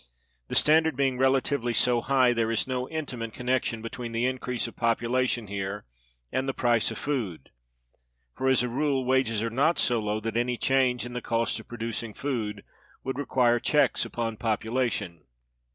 The standard being relatively so high, there is no intimate connection between the increase of population here and the price of food; for, as a rule, wages are not so low that any change in the cost of producing food would require checks upon population.